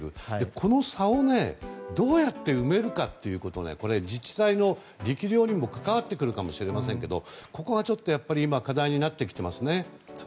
その差をどうやって埋めるということで自治体の力量にも関わってくるかもしれませんけどここがちょっと今課題になってきていますね。